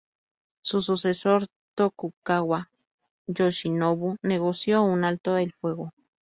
Su sucesor, Tokugawa Yoshinobu, negoció un alto el fuego.